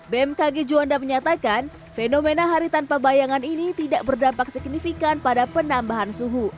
bmkg juanda menyatakan fenomena hari tanpa bayangan ini tidak berdampak signifikan pada penambahan suhu